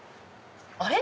あれ？